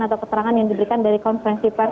atau keterangan yang diberikan dari konferensi pers